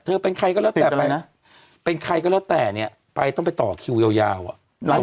เป็นใครก็แล้วแต่ไปนะเป็นใครก็แล้วแต่เนี่ยไปต้องไปต่อคิวยาวอ่ะ